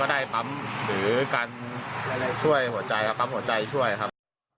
ได้ปั๊มหรือการช่วยหัวใจครับปั๊มหัวใจช่วยครับ